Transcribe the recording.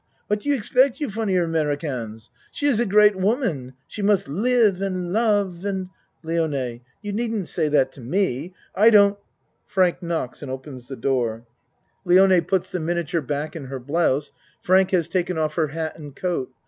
What do you expect you funny Americans. She is a great woman she must live and love and LIONE You needn't say that to me. I don't (Frank knocks and opens the door, Lione puts 66 A MAN'S WORLD the miniature back in her blouse. Frank has taken off her hat and coat.